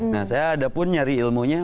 nah saya ada pun nyari ilmunya